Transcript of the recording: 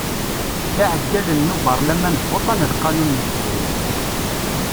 Iɛeggalen n ubarlaman votan lqanun n tedrimt.